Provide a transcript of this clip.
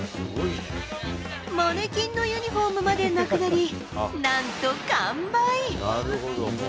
マネキンのユニホームまでなくなり、なんと完売。